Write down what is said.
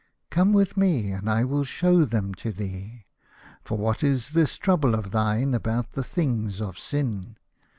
Come with me and I will show them to thee. For what is this trouble of thine about the things of sin